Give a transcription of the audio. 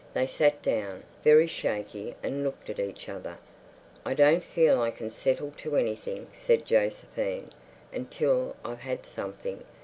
They sat down, very shaky, and looked at each other. "I don't feel I can settle to anything," said Josephine, "until I've had something.